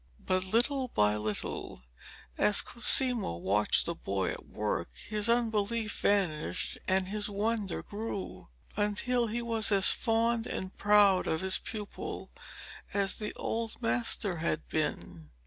But little by little, as Cosimo watched the boy at work, his unbelief vanished and his wonder grew, until he was as fond and proud of his pupil as the old master had been.